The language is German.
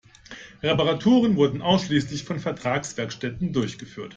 Reparaturen wurden ausschließlich von Vertragswerkstätten durchgeführt.